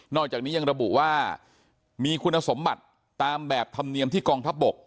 อกจากนี้ยังระบุว่ามีคุณสมบัติตามแบบธรรมเนียมที่กองทัพบก